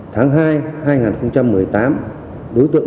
tháng hai hai nghìn một mươi tám đối tượng